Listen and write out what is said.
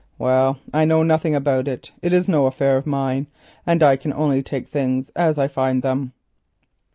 Well, I know nothing about it; it is no affair of mine, and I can only take things as I find them."